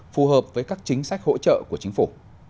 phù hợp với các chính sách hỗ trợ của chính phủ